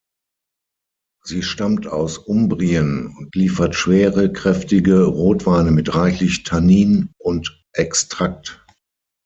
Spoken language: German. Sie stammt aus Umbrien und liefert schwere, kräftige Rotweine mit reichlich Tannin und Extrakt.